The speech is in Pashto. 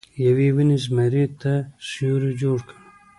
یوې ونې زمري ته سیوری جوړ کړ.